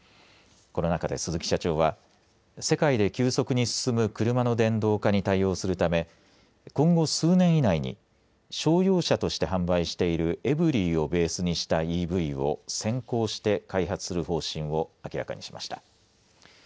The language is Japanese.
この中で鈴木社長は世界で急速に進む車の電動化に対応するため今後、数年以内に商用車として販売しているエブリイをベースにしたＥＶを先行して開発する方針を明らかにしました。